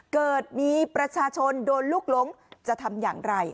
เกิดมีประชาชนโดนลูกหลงจะทำอย่างไร